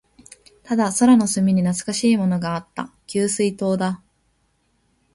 ただ、空の隅に懐かしいものがあった。給水塔だ。